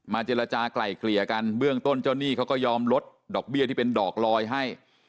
เจรจากลายเกลี่ยกันเบื้องต้นเจ้าหนี้เขาก็ยอมลดดอกเบี้ยที่เป็นดอกลอยให้